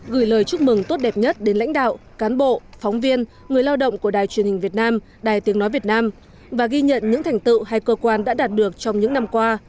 gửi lời chúc mừng tốt đẹp nhất đến lãnh đạo cán bộ phóng viên người lao động của đài truyền hình việt nam đài tiếng nói việt nam và ghi nhận những thành tựu hay cơ quan đã đạt được trong những năm qua